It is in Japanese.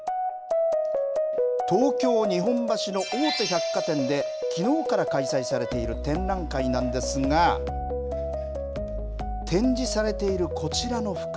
東京、日本橋の大手百貨店できのうから開催されている展覧会なんですが展示されているこちらの服。